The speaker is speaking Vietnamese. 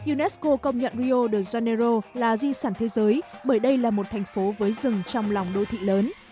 unesco công nhận rio de janeiro là di sản thế giới bởi đây là một thành phố với rừng trong lòng đô thị lớn